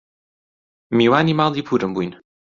میوانی ماڵی پوورم بووین